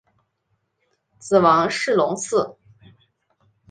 子王士隆嗣。